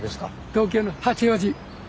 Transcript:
東京の八王子。